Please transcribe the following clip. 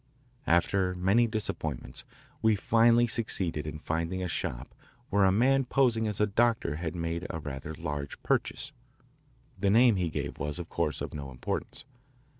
After many disappointments we finally succeeded in finding a shop where a man posing as a doctor had made a rather large purchase. The name he gave was of course of no importance.